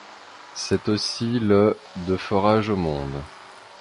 C'est aussi le de forage au monde.